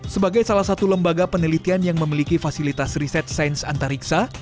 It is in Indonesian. sebagai salah satu lembaga penelitian yang memiliki fasilitas riset sains antariksa